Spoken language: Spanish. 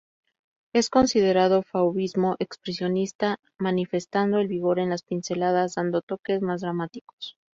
Es considerado Fauvismo-expresionista, manifestando el vigor en las pinceladas dando toques más dramáticos.